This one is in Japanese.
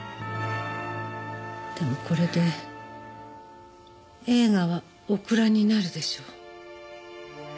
でもこれで映画はお蔵になるでしょう。